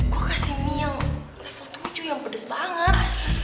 gue kasih mie yang level tujuh yang pedes banget